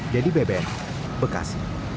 jadi beber bekas